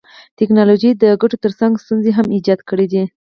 ټکنالوژي د ګټو تر څنګ ستونزي هم ایجاد کړيدي.